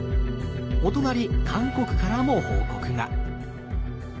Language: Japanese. お隣韓国からも報告が。